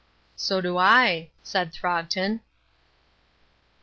"So do I," said Throgton.